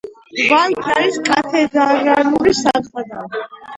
ვანქი არის კათედრალური საყდარი.